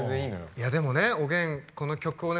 いやでもねおげんこの曲をね